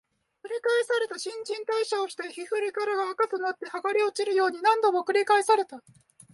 繰り返された、新陳代謝をして、古い皮が垢となって剥がれ落ちるように、何度も繰り返された